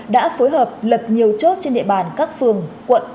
đã phối hợp lập nhiều chốt trên địa bàn các phường quận